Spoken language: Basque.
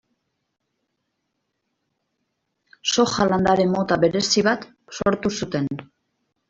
Soja landare mota berezi bat sortu zuten.